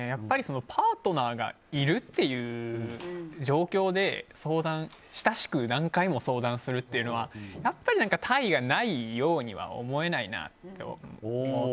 パートナーがいるという状況で親しく何回も相談するというのはやっぱり他意がないようには思えないなと。